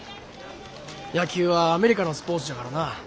野球はアメリカのスポーツじゃからな。